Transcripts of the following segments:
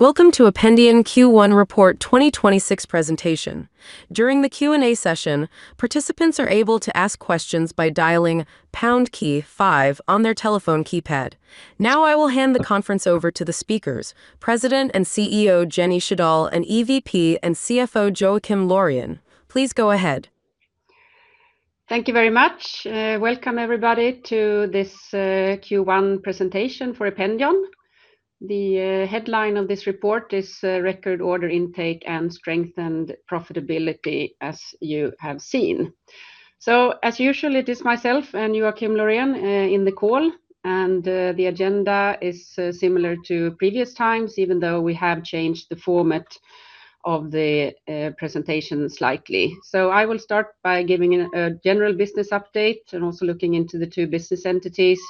Welcome to Ependion Q1 Report 2026 presentation. During the Q&A session, participants are able to ask questions by dialing pound key five on their telephone keypad. Now I will hand the conference over to the speakers, President and CEO Jenny Sjödahl and EVP and CFO Joakim Laurén. Please go ahead. Thank you very much. Welcome everybody to this Q1 presentation for Ependion. The headline of this report is Record Order Intake and Strengthened Profitability, as you have seen. As usual, it is myself and Joakim Laurén in the call, and the agenda is similar to previous times even though we have changed the format of the presentation slightly. I will start by giving a general business update and also looking into the two business entities.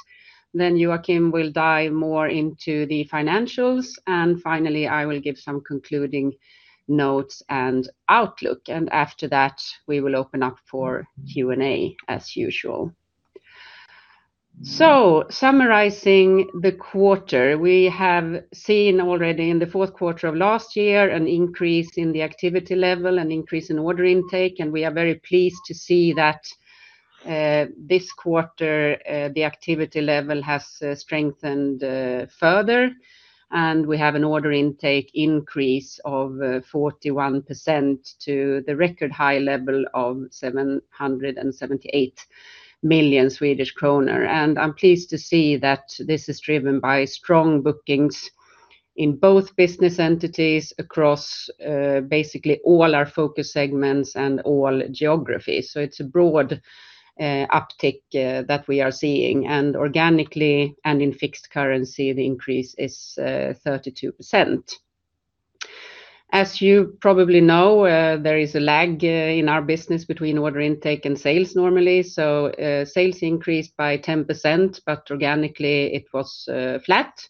Joakim will dive more into the financials. Finally, I will give some concluding notes and outlook. After that, we will open up for Q&A as usual. Summarizing the quarter, we have seen already in the fourth quarter of last year an increase in the activity level and increase in order intake, and we are very pleased to see that this quarter the activity level has strengthened further. We have an order intake increase of 41% to the record high level of 778 million Swedish kronor. I'm pleased to see that this is driven by strong bookings in both business entities across basically all our focus segments and all geographies. It's a broad uptick that we are seeing. Organically and in fixed currency, the increase is 32%. As you probably know, there is a lag in our business between order intake and sales normally. Sales increased by 10%, but organically it was flat.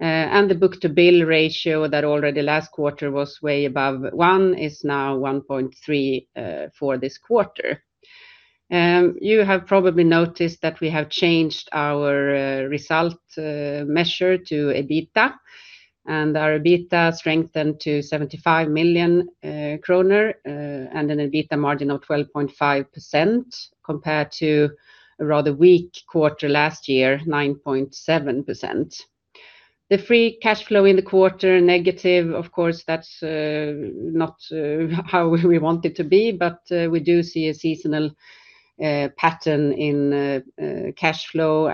The book-to-bill ratio that already last quarter was way above one is now 1.3 for this quarter. You have probably noticed that we have changed our result measure to EBITDA. Our EBITDA strengthened to 75 million kronor and an EBITDA margin of 12.5% compared to a rather weak quarter last year, 9.7%. The free cash flow in the quarter negative, of course, that's not how we want it to be, but we do see a seasonal pattern in cash flow.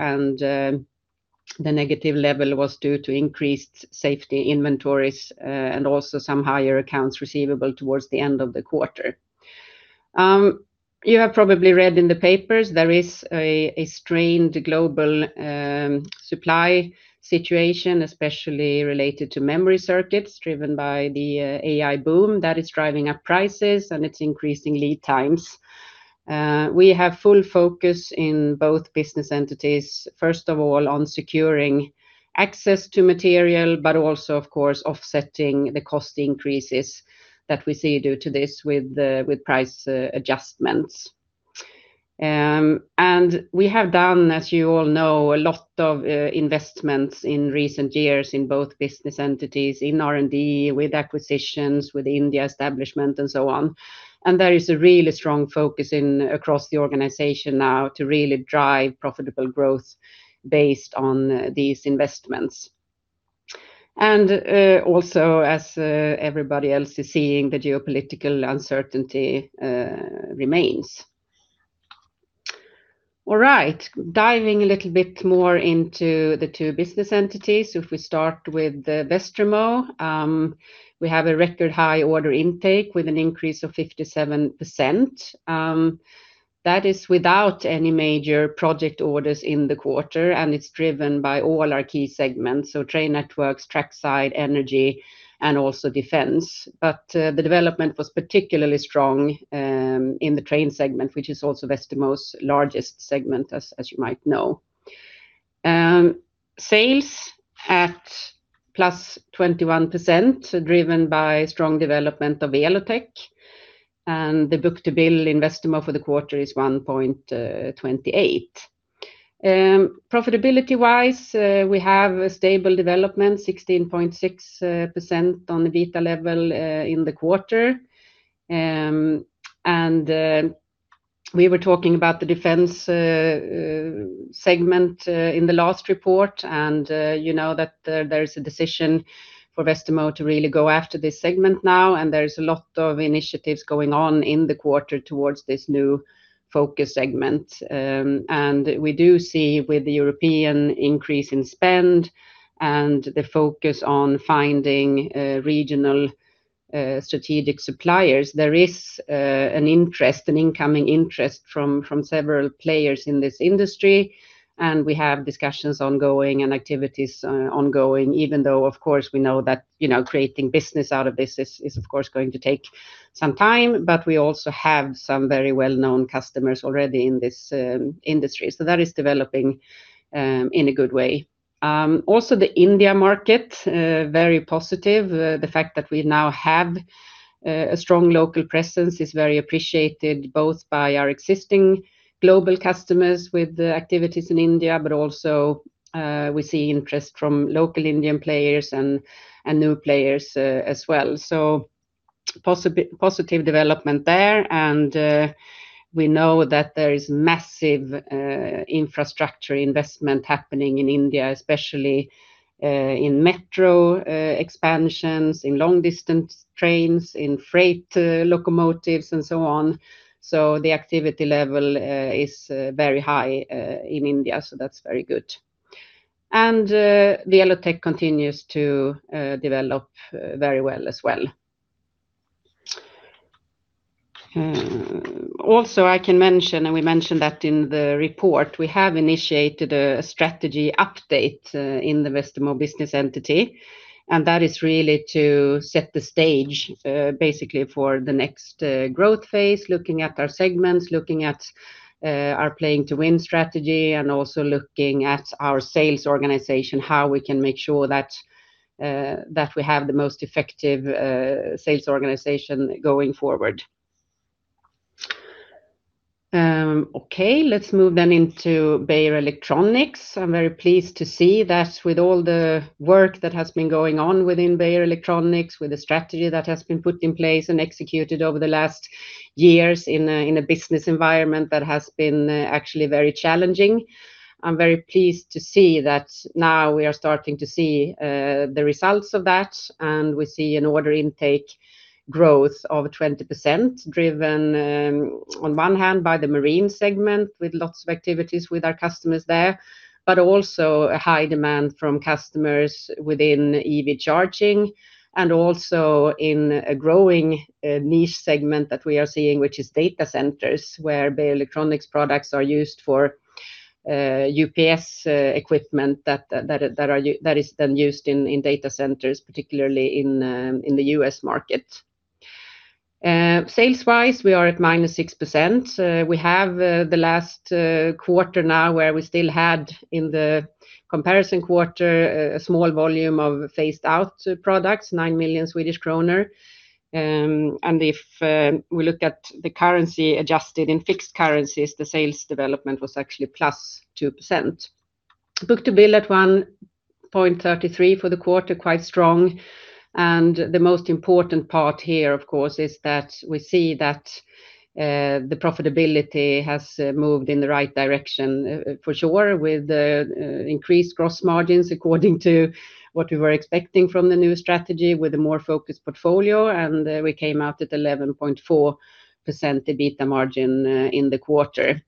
The negative level was due to increased safety inventories and also some higher accounts receivable towards the end of the quarter. You have probably read in the papers there is a strained global supply situation, especially related to memory circuits driven by the AI boom that is driving up prices, and it's increasing lead times. We have full focus in both business entities, first of all on securing access to material but also of course offsetting the cost increases that we see due to this with price adjustments. We have done, as you all know, a lot of investments in recent years in both business entities in R&D with acquisitions with India establishment and so on. There is a really strong focus in across the organization now to really drive profitable growth based on these investments. Also, as everybody else is seeing, the geopolitical uncertainty remains. All right. Diving a little bit more into the two business entities. If we start with Westermo, we have a record high order intake with an increase of 57%, that is without any major project orders in the quarter, and it's driven by all our key segments, so train networks, track side, energy, and also defense. The development was particularly strong in the train segment, which is also Westermo's largest segment, as you might know. Sales at +21% driven by strong development of Welotec, and the book-to-bill in Westermo for the quarter is 1.28. Profitability-wise, we have a stable development, 16.6% on EBITDA level in the quarter. We were talking about the defense segment in the last report, and you know there is a decision for Westermo to really go after this segment now. There is a lot of initiatives going on in the quarter towards this new focus segment. We do see with the European increase in spend and the focus on finding regional strategic suppliers, there is an incoming interest from several players in this industry. We have discussions ongoing and activities ongoing, even though, of course, we know that, you know, creating business out of this is of course going to take some time. We also have some very well-known customers already in this industry. That is developing in a good way. Also the India market, very positive. The fact that we now have a strong local presence is very appreciated both by our existing global customers with the activities in India, but also, we see interest from local Indian players and new players as well. Positive development there, and we know that there is massive infrastructure investment happening in India, especially in metro expansions, in long distance trains, in freight locomotives and so on. The activity level is very high in India, so that's very good. The Welotec continues to develop very well as well. Also I can mention, and we mentioned that in the report, we have initiated a strategy update in the Westermo business entity, and that is really to set the stage basically for the next growth phase, looking at our segments, looking at our playing to win strategy, and also looking at our sales organization, how we can make sure that we have the most effective sales organization going forward. Okay, let's move into Beijer Electronics. I'm very pleased to see that with all the work that has been going on within Beijer Electronics, with the strategy that has been put in place and executed over the last years in a business environment that has been actually very challenging. I'm very pleased to see that now we are starting to see the results of that, and we see an order intake growth of 20%, driven on one hand by the marine segment with lots of activities with our customers there, but also a high demand from customers within EV charging, and also in a growing niche segment that we are seeing, which is data centers, where Beijer Electronics products are used for UPS equipment that is then used in data centers, particularly in the U.S. market. Sales-wise, we are at -6%. We have the last quarter now where we still had in the comparison quarter a small volume of phased out products, 9 million Swedish kronor. If we look at the currency adjusted in fixed currencies, the sales development was actually +2%. Book-to-bill at 1.33 for the quarter, quite strong, and the most important part here, of course, is that we see that the profitability has moved in the right direction for sure with the increased gross margins according to what we were expecting from the new strategy with a more focused portfolio, and we came out at 11.4% the EBITDA margin in the quarter.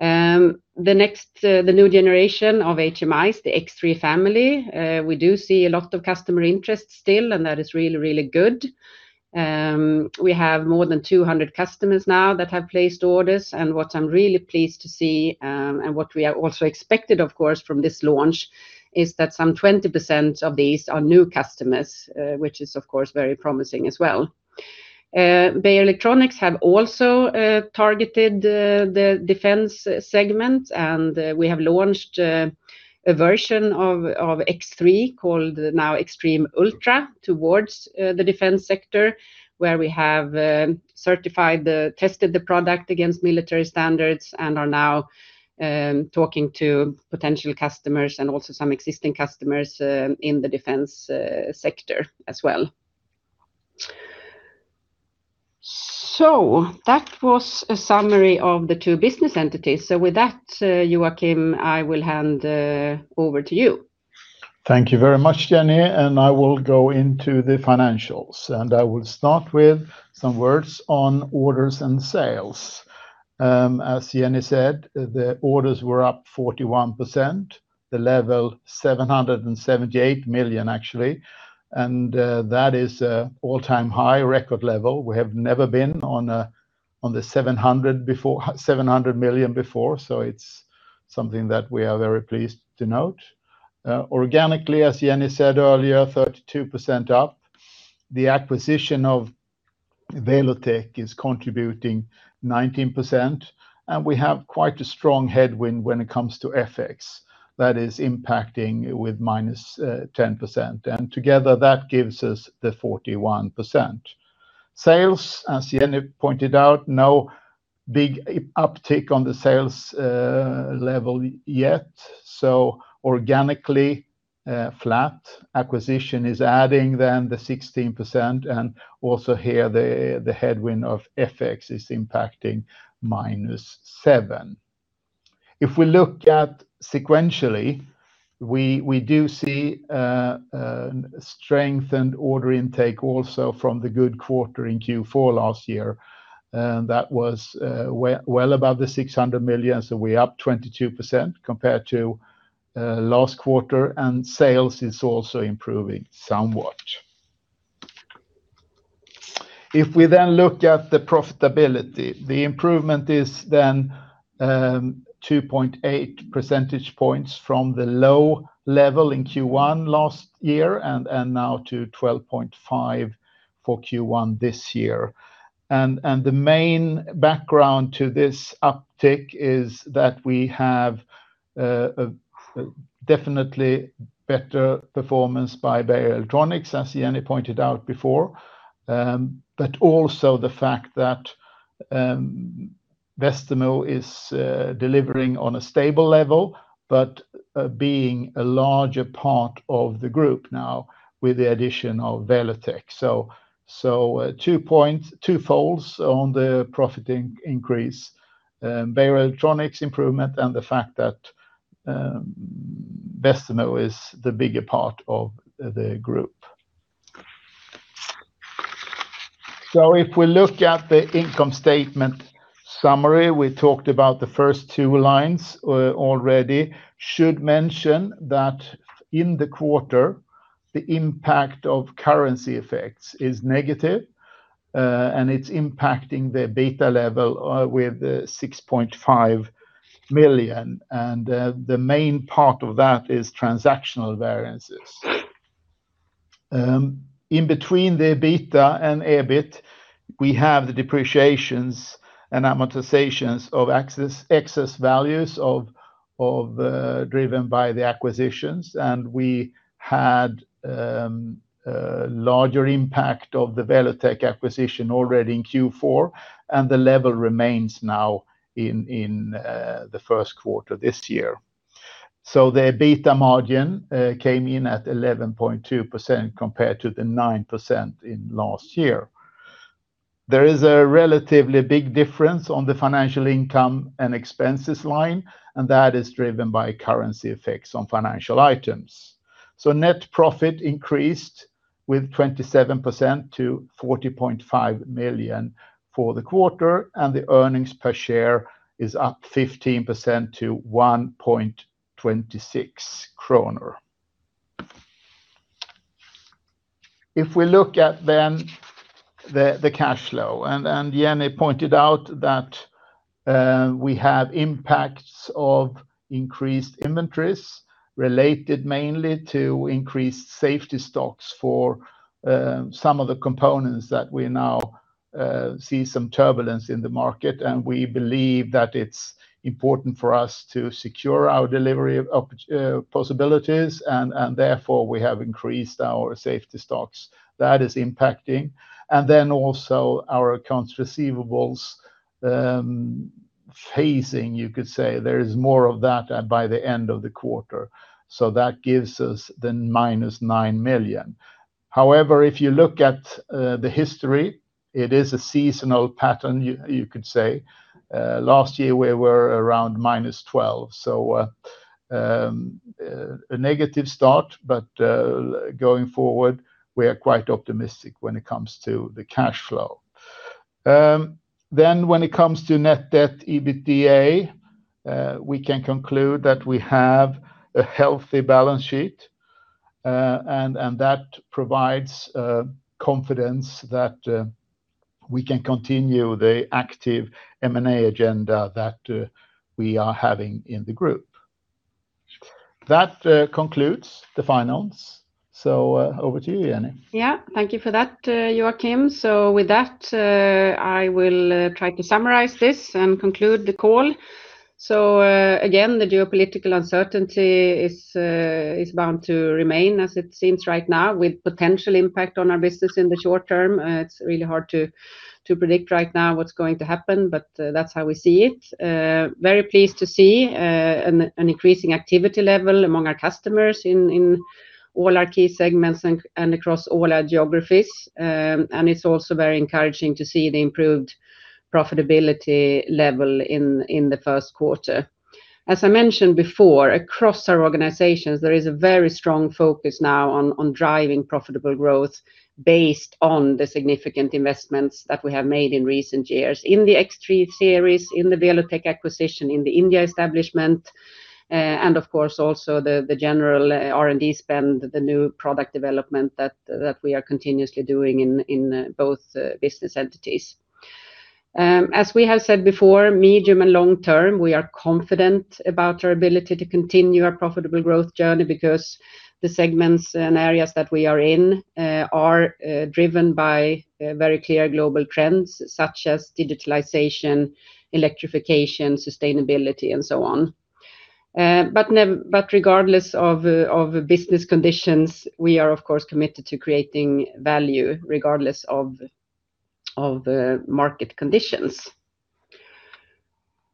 The next, the new generation of HMIs, the X3 family, we do see a lot of customer interest still, and that is really, really good. We have more than 200 customers now that have placed orders, and what I'm really pleased to see, and what we are also expected of course from this launch, is that some 20% of these are new customers, which is of course very promising as well. Beijer Electronics have also targeted the defense segment, and we have launched a version of X3 called now X3 Ultra towards the defense sector, where we have certified the, tested the product against military standards and are now talking to potential customers and also some existing customers in the defense sector as well. That was a summary of the two business entities. With that, Joakim, I will hand over to you. Thank you very much, Jenny. I will go into the financials. I will start with some words on orders and sales. As Jenny said, the orders were up 41%, the level 778 million actually. That is an all-time high record level. We have never been on the 700 before, 700 million before, so it is something that we are very pleased to note. Organically, as Jenny said earlier, 32% up. The acquisition of Welotec is contributing 19%, and we have quite a strong headwind when it comes to FX that is impacting with minus 10%. Together that gives us the 41%. Sales, as Jenny pointed out, no big uptake on the sales level yet, so organically flat. Acquisition is adding then the 16%, and also here the headwind of FX is impacting -7%. If we look at sequentially, we do see a strengthened order intake also from the good quarter in Q4 last year. That was well above 600 million, so we're up 22% compared to last quarter. Sales is also improving somewhat. If we look at the profitability, the improvement is then 2.8% points from the low level in Q1 last year, now to 12.5% for Q1 this year. The main background to this uptick is that we have a definitely better performance by Beijer Electronics, as Jenny Sjödahl pointed out before. Also the fact that Westermo is delivering on a stable level, being a larger part of the group now with the addition of Welotec. Two point, two folds on the profit increase, Beijer Electronics improvement and the fact that Westermo is the bigger part of the group. If we look at the income statement summary, we talked about the first two lines already. Should mention that in the quarter the impact of currency effects is negative, and it's impacting the EBITDA level with 6.5 million. The main part of that is transactional variances. In between the EBITDA and EBIT, we have the depreciations and amortizations of excess values of, driven by the acquisitions. We had a larger impact of the Welotec acquisition already in Q4, and the level remains now in the first quarter this year. The EBITDA margin came in at 11.2% compared to the 9% in last year. There is a relatively big difference on the financial income and expenses line, and that is driven by currency effects on financial items. Net profit increased with 27% to 40.5 million for the quarter, and the earnings per share is up 15% to 1.26 kronor. If we look at then the cash flow, and Jenny Sjödahl pointed out that we have impacts of increased inventories related mainly to increased safety stocks for some of the components that we now see some turbulence in the market. We believe that it's important for us to secure our delivery of possibilities and therefore we have increased our safety stocks. That is impacting. Also our accounts receivables, phasing you could say. There is more of that by the end of the quarter. That gives us the minus 9 million. However, if you look at the history, it is a seasonal pattern you could say. Last year we were around minus 12. A negative start, but going forward, we are quite optimistic when it comes to the cash flow. When it comes to net debt EBITDA, we can conclude that we have a healthy balance sheet, and that provides confidence that we can continue the active M&A agenda that we are having in the group. That concludes the finance. Over to you, Jenny. Yeah. Thank you for that, Joakim. With that, I will try to summarize this and conclude the call. Again, the geopolitical uncertainty is bound to remain as it seems right now with potential impact on our business in the short term. It's really hard to predict right now what's going to happen, but that's how we see it. Very pleased to see an increasing activity level among our customers in all our key segments and across all our geographies. It's also very encouraging to see the improved profitability level in the first quarter. As I mentioned before, across our organizations, there is a very strong focus now on driving profitable growth based on the significant investments that we have made in recent years in the X3 series, in the Welotec acquisition, in the India establishment, and of course also the general R&D spend, the new product development that we are continuously doing in both business entities. As we have said before, medium and long term, we are confident about our ability to continue our profitable growth journey because the segments and areas that we are in, are driven by very clear global trends such as digitalization, electrification, sustainability and so on. Regardless of business conditions, we are of course committed to creating value regardless of the market conditions.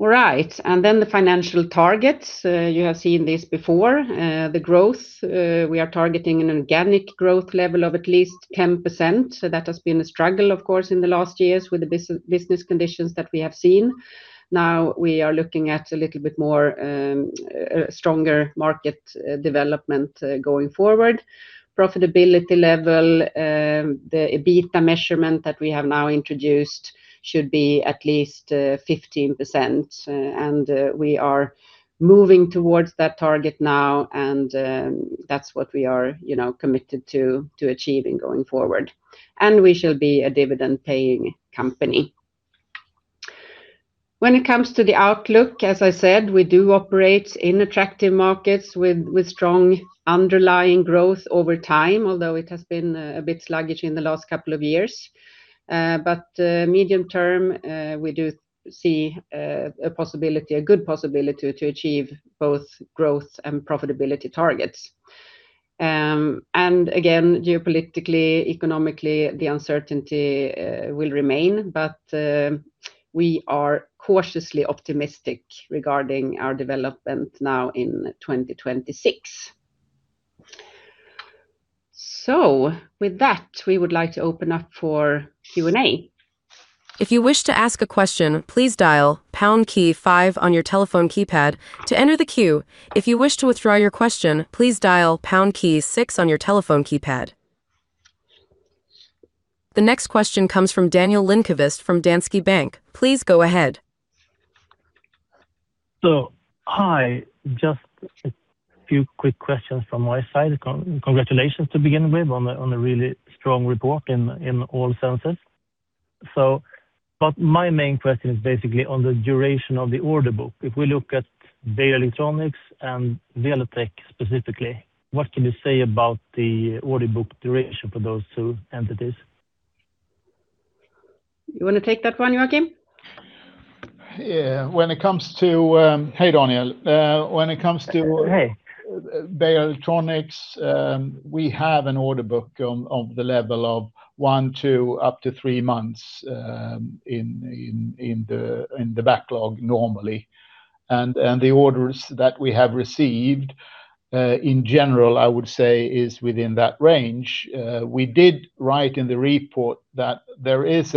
All right. The financial targets. You have seen this before. The growth, we are targeting an organic growth level of at least 10%. That has been a struggle of course in the last years with the business conditions that we have seen. Now we are looking at a little bit more stronger market development going forward. Profitability level, the EBITDA measurement that we have now introduced should be at least 15%. We are moving towards that target now, and that's what we are, you know, committed to achieving going forward. We shall be a dividend paying company. When it comes to the outlook, as I said, we do operate in attractive markets with strong underlying growth over time, although it has been a bit sluggish in the last couple of years. Medium term, we do see a possibility, a good possibility to achieve both growth and profitability targets. Geopolitically, economically, the uncertainty will remain. We are cautiously optimistic regarding our development now in 2026. With that, we would like to open up for Q&A. If you wish to ask a question, please dial pound key five on your telephone keypad to enter the queue. If you wish to withdraw your question, please dial pound key six on your telephone keypad. The next question comes from Daniel Lindkvist from Danske Bank. Please go ahead. Hi. Just a few quick questions from my side. Congratulations to begin with on a really strong report in all senses. My main question is basically on the duration of the order book. If we look at Beijer Electronics and Welotec specifically, what can you say about the order book duration for those two entities? You wanna take that one, Joakim? Yeah. Hey, Daniel. Hey When it comes to Beijer Electronics, we have an order book on, of the level of one to up to three months, in the backlog normally. The orders that we have received, in general, I would say is within that range. We did write in the report that there is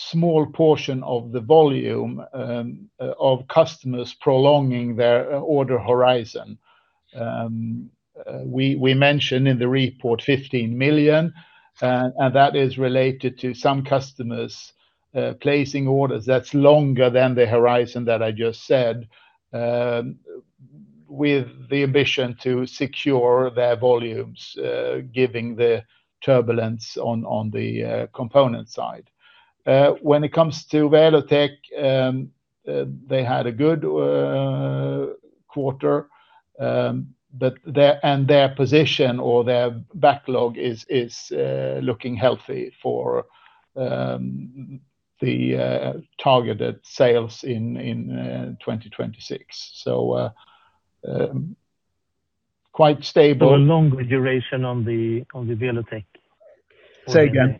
a small portion of the volume, of customers prolonging their order horizon. We mention in the report 15 million, and that is related to some customers, placing orders that is longer than the horizon that I just said, with the ambition to secure their volumes, given the turbulence on the component side. When it comes to Welotec, they had a good quarter, and their position or their backlog is looking healthy for the targeted sales in 2026. Quite stable. A longer duration on the, on the Welotec order system. Say again.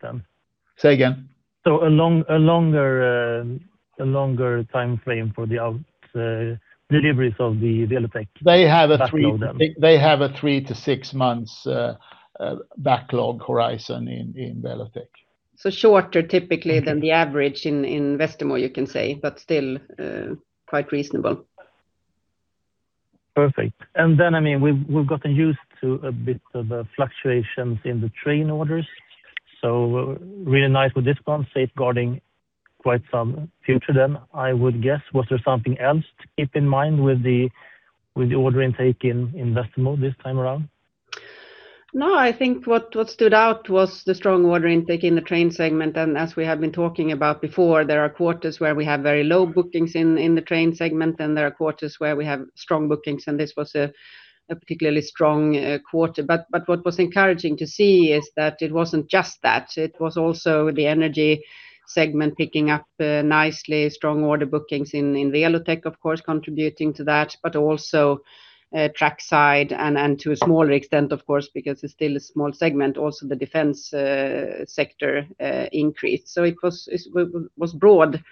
Say again. A long, a longer timeframe for the deliveries of the Welotec. They have a three-. backlog then. They have a three to six months backlog horizon in Welotec. Shorter typically than the average in Westermo, you can say, but still, quite reasonable. Perfect. I mean, we've gotten used to a bit of the fluctuations in the train orders, so really nice with this one, safeguarding quite some future then, I would guess. Was there something else to keep in mind with the order intake in Westermo this time around? I think what stood out was the strong order intake in the train segment. As we have been talking about before, there are quarters where we have very low bookings in the train segment, and there are quarters where we have strong bookings, and this was a particularly strong quarter. But what was encouraging to see is that it wasn't just that, it was also the energy segment picking up nicely, strong order bookings in Welotec, of course, contributing to that. Also, track side and to a smaller extent, of course, because it's still a small segment, also the defense sector increased. It was broad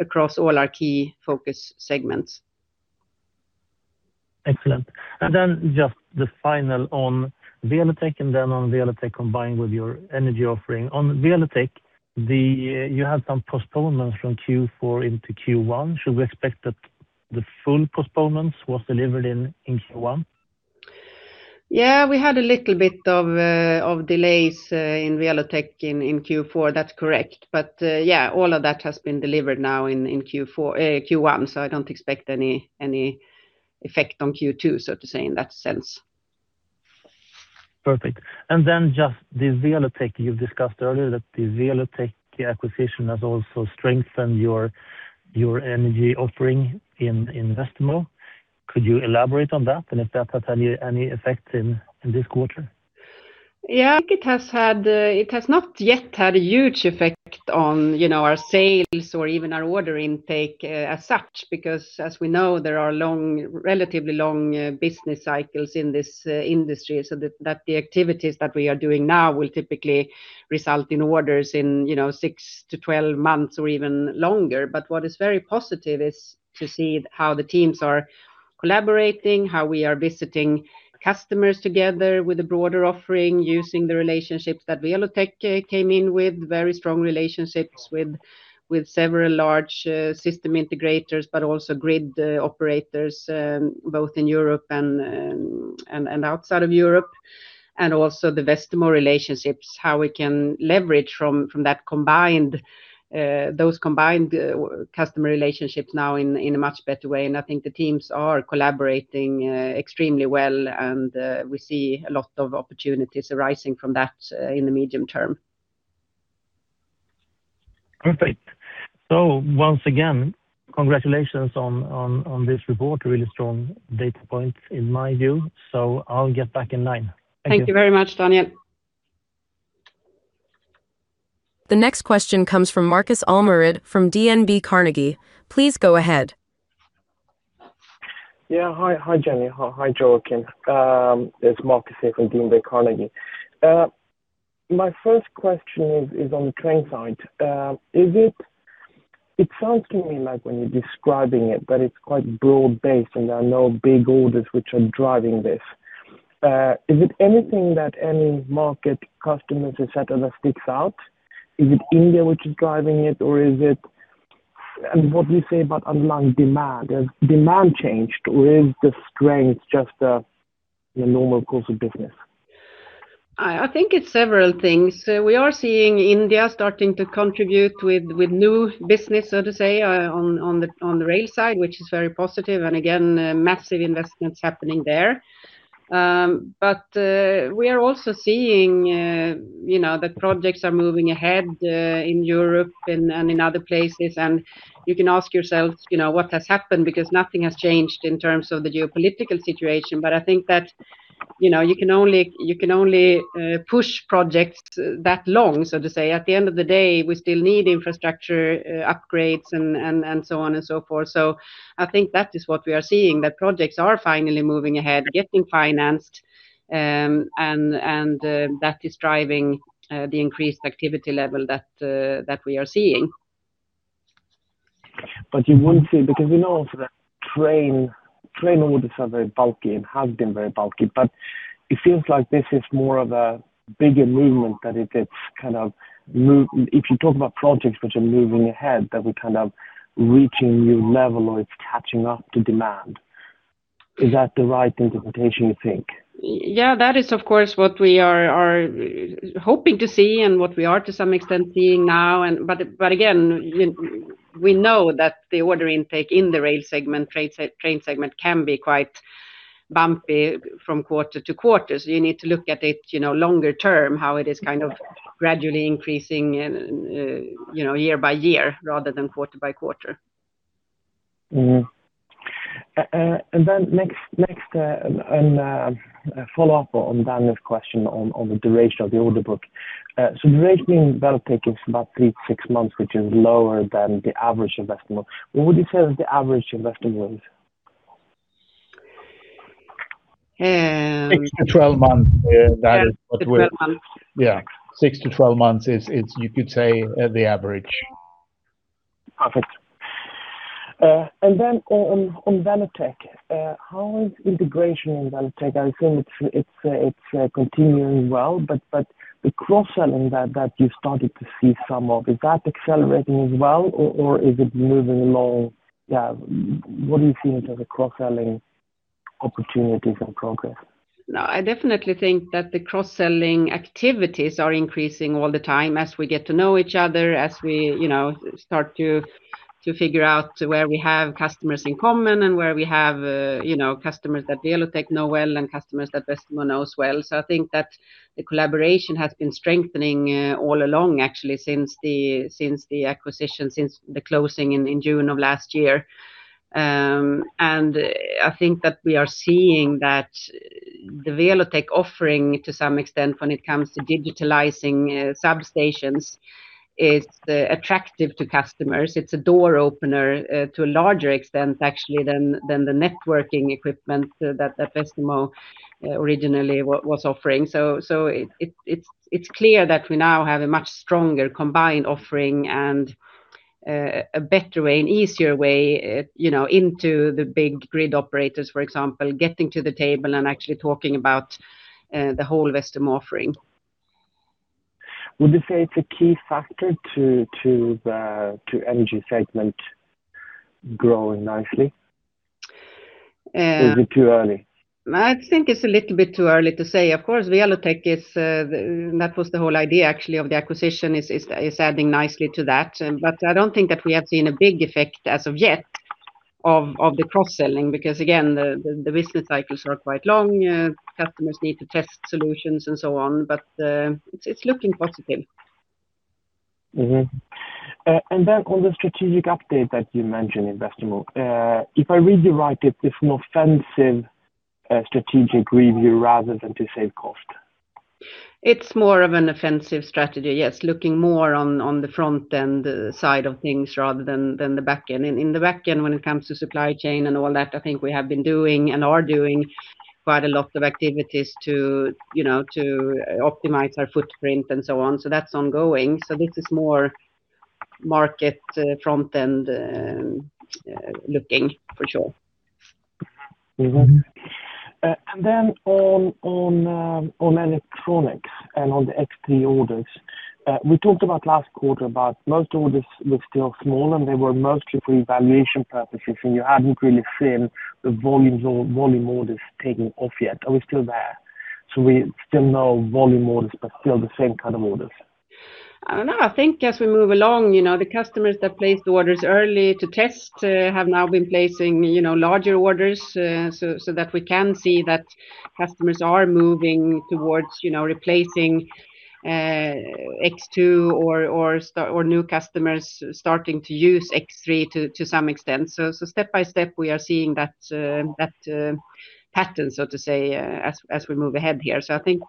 across all our key focus segments. Excellent. Just the final on Welotec, and then on Welotec combined with your energy offering. On Welotec, you had some postponements from Q4 into Q1. Should we expect that the full postponements was delivered in Q1? We had a little bit of delays, in Welotec in Q4. That's correct. All of that has been delivered now in Q4, Q1, so I don't expect any effect on Q2, so to say, in that sense. Perfect. Just the Welotec, you've discussed earlier that the Welotec acquisition has also strengthened your energy offering in Westermo. Could you elaborate on that and if that has any effect in this quarter? Yeah. I think it has had, it has not yet had a huge effect on, you know, our sales or even our order intake as such. As we know, there are long, relatively long business cycles in this industry so that the activities that we are doing now will typically result in orders in, you know, six to 12 months or even longer. What is very positive is to see how the teams are collaborating, how we are visiting customers together with a broader offering, using the relationships that Welotec came in with, very strong relationships with several large system integrators, also grid operators, both in Europe and outside of Europe. Also the Westermo relationships, how we can leverage from that combined, those combined customer relationships now in a much better way. I think the teams are collaborating extremely well and we see a lot of opportunities arising from that in the medium term. Perfect. Once again, congratulations on this report. Really strong data points in my view. I'll get back in line. Thank you. Thank you very much, Daniel. The next question comes from Markus Almerud from DNB Carnegie. Please go ahead. Yeah. Hi. Hi Jenny. Hi Joakim. It's Markus here from DNB Carnegie. My first question is on the train side. It sounds to me like when you're describing it that it's quite broad-based, there are no big orders which are driving this. Is it anything that any market customers et cetera that sticks out? Is it India which is driving it, or what do you say about underlying demand? Has demand changed, or is the strength just the normal course of business? I think it's several things. We are seeing India starting to contribute with new business, so to say, on the rail side, which is very positive and again, massive investments happening there. We are also seeing, you know, the projects are moving ahead in Europe and in other places. You can ask yourself, you know, what has happened because nothing has changed in terms of the geopolitical situation. I think that, you know, you can only push projects that long, so to say. At the end of the day, we still need infrastructure upgrades and so on and so forth. I think that is what we are seeing, that projects are finally moving ahead, getting financed, and that is driving the increased activity level that we are seeing. You wouldn't say. Because we know also that train orders are very bulky and have been very bulky, but it feels like this is more of a bigger movement, that it's kind of If you talk about projects which are moving ahead, that we're kind of reaching a new level, or it's catching up to demand. Is that the right interpretation, you think? Yeah, that is of course what we are hoping to see and what we are to some extent seeing now. But again, we know that the order intake in the rail segment, train segment can be quite bumpy from quarter to quarter. You need to look at it, you know, longer term, how it is kind of gradually increasing, you know, year by year rather than quarter by quarter. Follow-up on Daniel's question on the duration of the order book. The duration in Welotec is about three to six months, which is lower than the average investment. What would you say is the average investment length? 6 to 12 months, that is what we. Yeah, 6 months-12 months. Yeah. six to 12 months is you could say, the average. Perfect. On Welotec, how is integration in Welotec? I assume it's continuing well, but the cross-selling that you started to see some of, is that accelerating as well or is it moving along, yeah, what are you seeing in terms of cross-selling opportunities and progress? No, I definitely think that the cross-selling activities are increasing all the time as we get to know each other, as we, you know, start to figure out where we have customers in common and where we have, you know, customers that Welotec know well and customers that Westermo knows well. I think that the collaboration has been strengthening all along actually since the acquisition, since the closing in June of last year. I think that we are seeing that the Welotec offering to some extent when it comes to digitalizing substations is attractive to customers. It's a door opener to a larger extent actually than the networking equipment that Westermo originally was offering. It is clear that we now have a much stronger combined offering and a better way, an easier way, you know, into the big grid operators, for example, getting to the table and actually talking about the whole Westermo offering. Would you say it's a key factor to the energy segment growing nicely? Uh- Is it too early? I think it's a little bit too early to say. Of course, Welotec is, that was the whole idea actually of the acquisition, is adding nicely to that. I don't think that we have seen a big effect as of yet of the cross-selling because again, the business cycles are quite long. Customers need to test solutions and so on. It's looking positive. On the strategic update that you mentioned in Westermo, if I read you right, it is an offensive strategic review rather than to save cost. It's more of an offensive strategy, yes. Looking more on the front end side of things rather than the back end. In the back end when it comes to supply chain and all that, I think we have been doing and are doing quite a lot of activities to, you know, to optimize our footprint and so on. That's ongoing. This is more market front end looking for sure. Then on electronics and on the X3 orders, we talked about last quarter about most orders were still small, and they were mostly for evaluation purposes, and you hadn't really seen the volumes or volume orders taking off yet. Are we still there? We still no volume orders, but still the same kind of orders. I don't know. I think as we move along, you know, the customers that placed the orders early to test have now been placing, you know, larger orders, so that we can see that customers are moving towards, you know, replacing X2 or new customers starting to use X3 to some extent. Step by step we are seeing that pattern, so to say, as we move ahead here. I think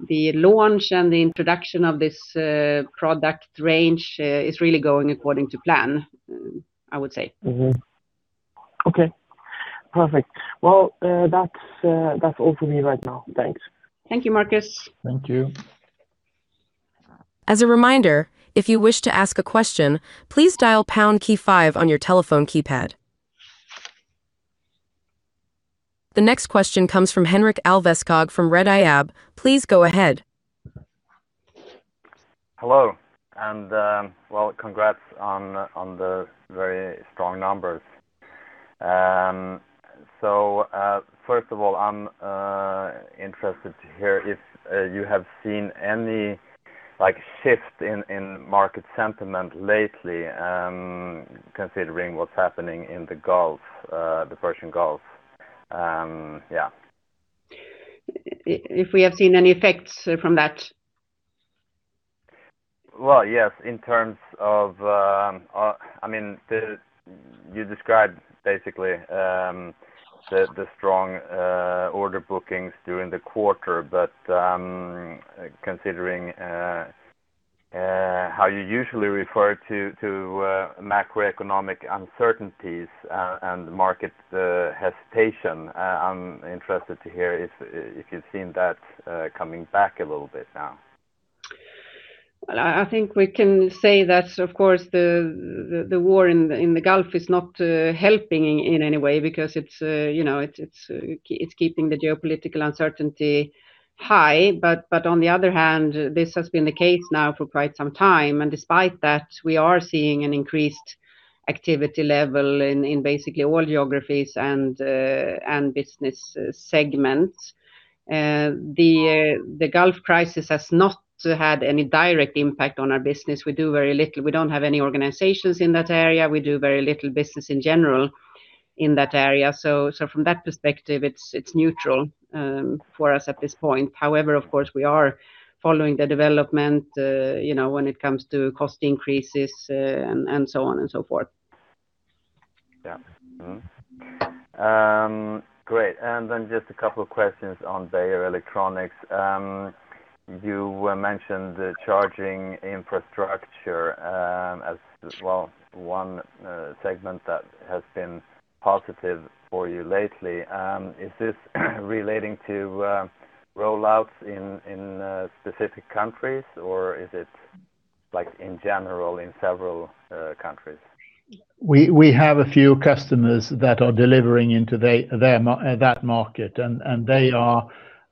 the launch and the introduction of this product range is really going according to plan, I would say. Okay. Perfect. That's all for me right now. Thanks. Thank you, Markus. Thank you. As a reminder, if you wish to ask a question, please dial pound key 5 on your telephone keypad. The next question comes from Henrik Alveskog from Redeye AB. Please go ahead. Hello, well, congrats on the very strong numbers. First of all, I'm interested to hear if you have seen any, like, shift in market sentiment lately, considering what's happening in the Gulf, the Persian Gulf? If we have seen any effects from that? Well, yes, in terms of, I mean, you described basically the strong order bookings during the quarter, but considering how you usually refer to macroeconomic uncertainties and market hesitation, I'm interested to hear if you've seen that coming back a little bit now? Well, I think we can say that of course the war in the Gulf is not helping in any way because it's, you know, it's keeping the geopolitical uncertainty high. On the other hand, this has been the case now for quite some time, and despite that, we are seeing an increased activity level in basically all geographies and business segments. The Gulf crisis has not had any direct impact on our business. We do very little. We don't have any organizations in that area. We do very little business in general in that area. From that perspective, it's neutral for us at this point. However, of course, we are following the development, you know, when it comes to cost increases, and so on and so forth. Yeah. Mm-hmm. Great. Then just a couple questions on Beijer Electronics. You mentioned the charging infrastructure, as, well, one segment that has been positive for you lately. Is this relating to rollouts in specific countries, or is it, like, in general in several countries? We have a few customers that are delivering into their market.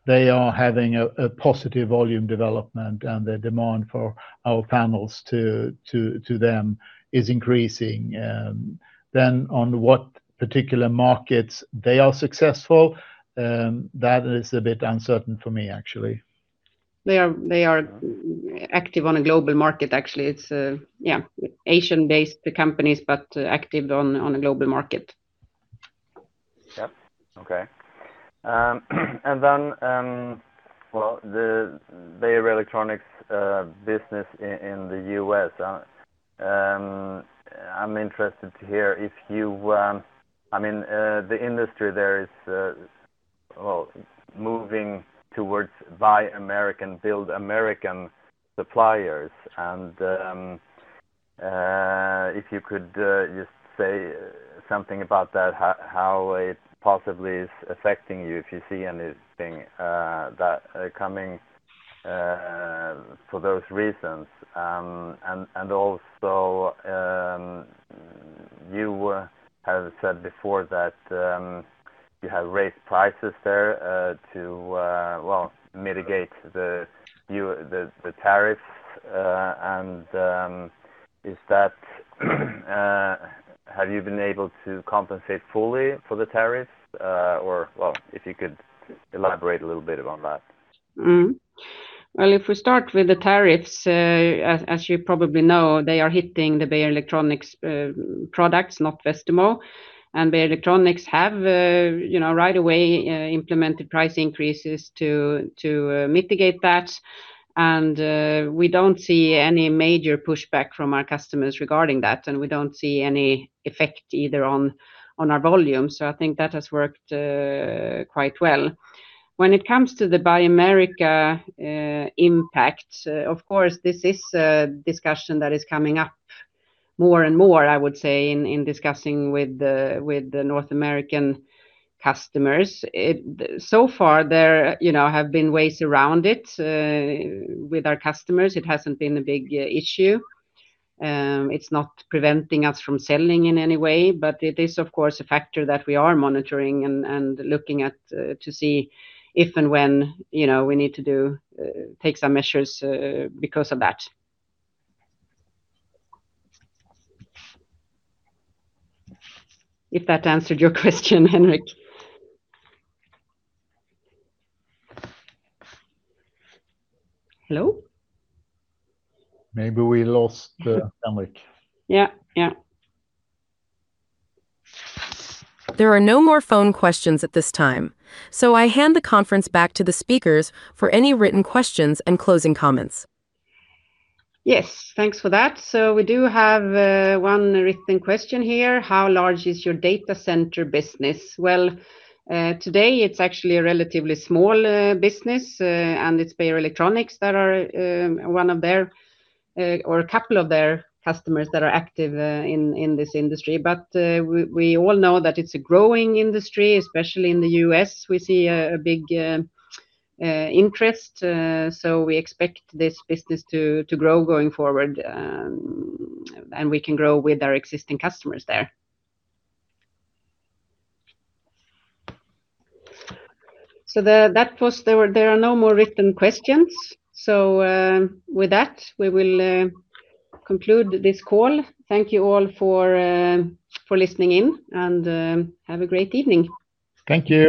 They are having a positive volume development, and the demand for our panels to them is increasing. On what particular markets they are successful, that is a bit uncertain for me, actually. They are active on a global market, actually. Yeah, Asian-based companies, active on a global market. Yeah. Okay. Then, well, the Beijer Electronics business in the U.S., I'm interested to hear if you. I mean, the industry there is, well, moving towards Buy American, Build American suppliers, and if you could just say something about that, how it possibly is affecting you, if you see anything that coming for those reasons. Also, you have said before that you have raised prices there to, well, mitigate the tariffs. Is that? Have you been able to compensate fully for the tariffs? Or, well, if you could elaborate a little bit on that. Mm-hmm. If we start with the tariffs, as you probably know, they are hitting the Beijer Electronics products, not Westermo. Beijer Electronics have, you know, right away, implemented price increases to mitigate that. We don't see any major pushback from our customers regarding that, and we don't see any effect either on our volume. I think that has worked quite well. When it comes to the Buy America impact, of course, this is a discussion that is coming up more and more, I would say, in discussing with the North American customers. So far there, you know, have been ways around it. With our customers, it hasn't been a big issue. It's not preventing us from selling in any way, but it is, of course, a factor that we are monitoring and looking at, to see if and when, you know, we need to do, take some measures, because of that. If that answered your question, Henrik. Hello? Maybe we lost, Henrik. Yeah, yeah. There are no more phone questions at this time, so I hand the conference back to the speakers for any written questions and closing comments. Yes. Thanks for that. We do have one written question here. How large is your data center business? Today it's actually a relatively small business, and it's Beijer Electronics that are one of their or a couple of their customers that are active in this industry. We all know that it's a growing industry, especially in the U.S., we see a big interest. We expect this business to grow going forward, and we can grow with our existing customers there. There are no more written questions. With that, we will conclude this call. Thank you all for listening in, and have a great evening. Thank you.